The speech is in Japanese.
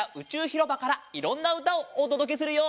ひろばからいろんなうたをおとどけするよ！